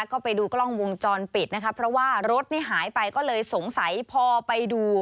ก็ไปดูกล้องวงจรปิดนะคะเพราะว่ารถนี่หายไปก็เลยสงสัยพอไปดู